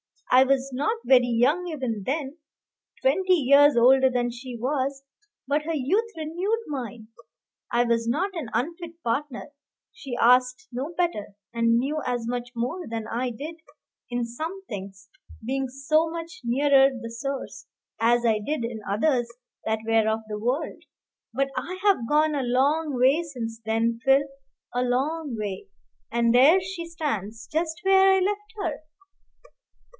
I was not very young even then, twenty years older than she was; but her youth renewed mine. I was not an unfit partner; she asked no better, and knew as much more than I did in some things, being so much nearer the source, as I did in others that were of the world. But I have gone a long way since then, Phil, a long way; and there she stands, just where I left her."